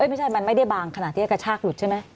อ้ายว่าไม่ได้บางอยว่าที่วิวาดกันรู้ถึง